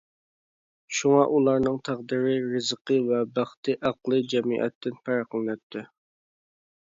شۇڭا ئۇلارنىڭ تەقدىرى، رىزقى ۋە بەختى ئەقلىي جەمئىيەتتىن پەرقلىنەتتى.